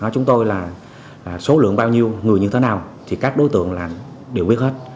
chúng tôi là số lượng bao nhiêu người như thế nào thì các đối tượng đều biết hết